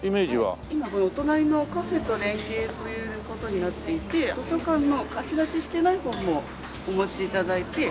今お隣のカフェと連携という事になっていて図書館の貸し出ししてない本もお持ち頂いて。